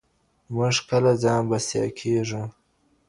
موږ کله ځان بسيا کيږو؟